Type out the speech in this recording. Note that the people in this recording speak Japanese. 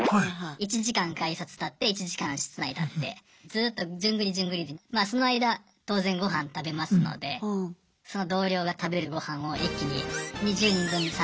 １時間改札立って１時間室内立ってずっと順繰り順繰りでまあその間当然ごはん食べますのでその同僚が食べるごはんを一気に２０人分３０人分作ったりしますね。